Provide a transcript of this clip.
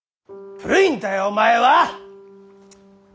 古いんだよお前は！